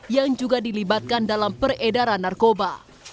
yang juga dilibatkan dalam peredaran narkoba